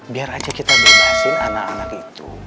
biar aja kita bebasin anak anak itu